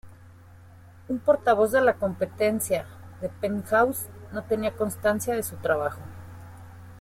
Un portavoz de la competencia", de "Penthouse", no tenía constancia de su trabajo.